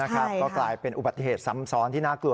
ก็กลายเป็นอุบัติเหตุที่น่ากลัว